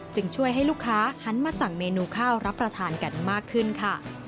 จึงช่วยให้ลูกค้าหันมาสั่งเมนูข้าวรับประทานกันมากขึ้นค่ะ